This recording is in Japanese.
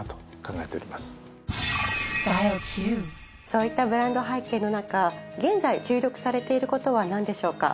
そういったブランド背景の中現在注力されていることは何でしょうか？